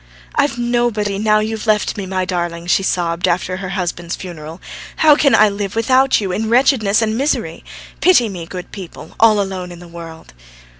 "I've nobody, now you've left me, my darling," she sobbed, after her husband's funeral. "How can I live without you, in wretchedness and misery! Pity me, good people, all alone in the world!"